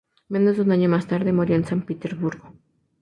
Menos de un año más tarde, moría en San Petersburgo.